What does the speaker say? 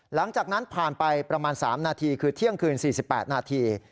หลังจากนั้นผ่านไปประมาณ๓นาทีคือเที่ยงคืน๔๘นาที